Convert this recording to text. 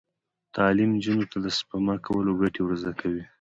تعلیم نجونو ته د سپما کولو ګټې ور زده کوي.